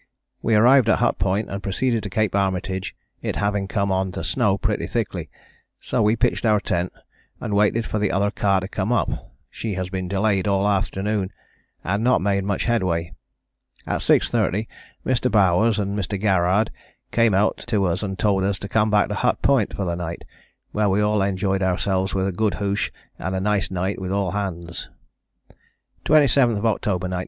We arrived at Hut Point and proceeded to Cape Armitage it having come on to snow pretty thickly, so we pitched our tent and waited for the other car to come up, she has been delayed all the afternoon and not made much headway. At 6.30 Mr. Bowers and Mr. Garrard came out to us and told us to come back to Hut Point for the night, where we all enjoyed ourselves with a good hoosh and a nice night with all hands. "_27th October 1911.